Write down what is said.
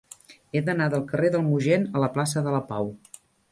He d'anar del carrer del Mogent a la plaça de la Pau.